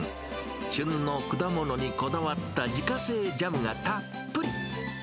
旬の果物にこだわった自家製ジャムがたっぷり。